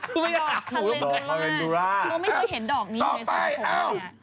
คุณไม่อ่าวคาเรนดูล่าคุณก็ไม่เคยเห็นดอกนี้เลยส่วนของมันเนี่ยะต่อไปเอ้า